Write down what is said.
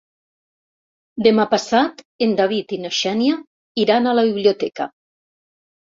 Demà passat en David i na Xènia iran a la biblioteca.